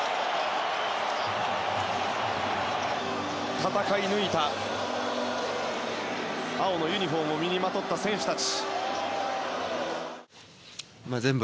戦い抜いた、青のユニホームを身にまとった選手たち。